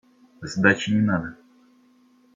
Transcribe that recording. Сдачи не надо.